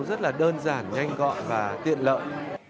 rất là đơn giản nhanh gọn và tiện lợi